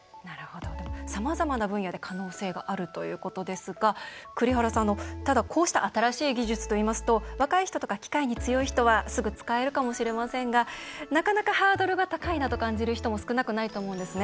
さまざまな分野で可能性があるということですが栗原さん、ただこうした新しい技術といいますと若い人とか機械に強い人はすぐ使えるかもしれませんがなかなかハードルが高いなと感じる人も少なくないと思うんですね。